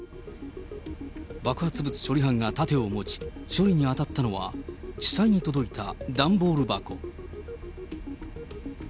爆発物処理班が盾を持ち、処理に当たったのは、地裁に届いた段ボール箱。